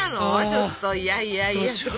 ちょっといやいやいや。